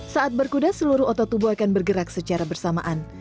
saat berkuda seluruh otot tubuh akan bergerak secara bersamaan